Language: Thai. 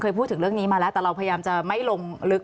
พูดถึงเรื่องนี้มาแล้วแต่เราพยายามจะไม่ลงลึก